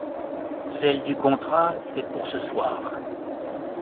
Celle du contrat… c’est pour ce soir.